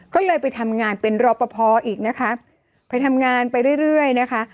ก็เลยไปทำงานเป็นรอปภอีกนะคะไปทำงานไปเรื่อยเรื่อยนะคะ